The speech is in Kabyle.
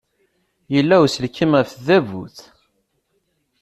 Yella uselkim ɣef tdabut.